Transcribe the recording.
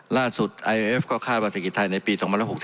ไอเอฟก็คาดว่าเศรษฐกิจไทยในปี๒๐๖๒